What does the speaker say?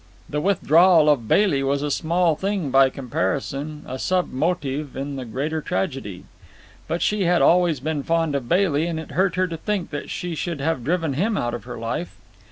The withdrawal of Bailey was a small thing by comparison, a submotive in the greater tragedy. But she had always been fond of Bailey, and it hurt her to think that she should have driven him out of her life.